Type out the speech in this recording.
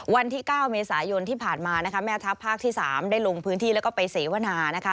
วันที่๙เมษายนที่ผ่านมานะคะแม่ทัพภาคที่๓ได้ลงพื้นที่แล้วก็ไปเสวนานะคะ